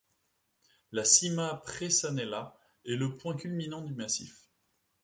La Cima Presanella est le point culminant du massif.